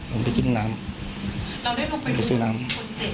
เราได้ลงไปดูคนเจ็ดหรือคนที่นอนบนถนนบ้างไหมนะคะ